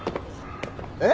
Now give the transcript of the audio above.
えっ？